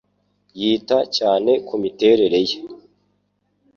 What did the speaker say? Yita cyane kumiterere ye.